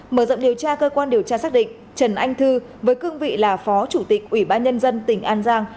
mở rộng điều tra cơ quan điều tra xác định trần anh thư với cương vị là phó chủ tịch ubnd tỉnh an giang